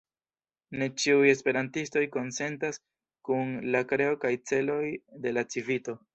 Ne ĉiuj esperantistoj konsentas kun la kreo kaj celoj de la Civito.